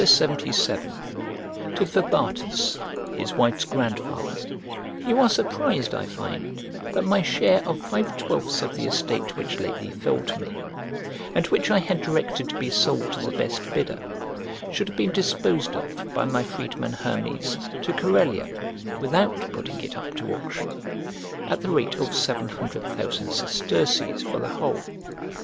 Farewell. LXX VII To FABATUS (HIS WIFE'S GRANDFATHER) You are surprised, I find, that my share of five twelfths of the estate which lately fell to me, and which I had directed to be sold to the best bidder, should have been disposed of by my freedman Hermes to Corellia (without putting it up to auction) at the rate of seven hundred thousand sesterces for the whole.